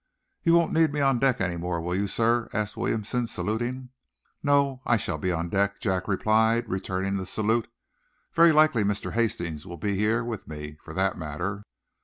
"You won't need me on deck any more, will you, sir?" asked Williamson, saluting. "No; I shall be on deck," Jack replied, returning the salute. "Very likely Mr. Hastings will be here with me, for that matter."